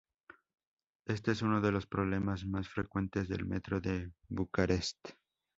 Este es uno de los problemas más frecuentes del Metro de Bucarest.